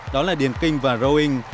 đó là điền kinh và rowing